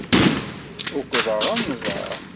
Ukḍeɣ anẓar.